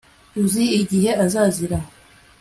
uzi igihe azazira